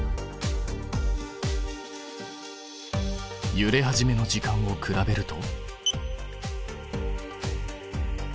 ゆれ始めの時間を比べると？